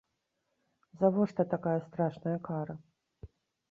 Завошта такая страшная кара?